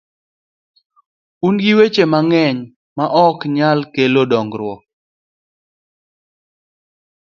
Un gi weche mang’eny ma ok kel dongruok